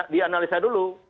di analisa dulu